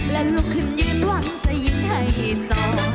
และลุกขึ้นยืนหวังจะยิ้มให้จอ